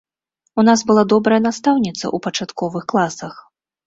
У нас была добрая настаўніца ў пачатковых класах.